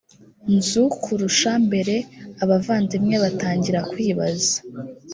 nzu kurusha mbere abavandimwe batangira kwibaza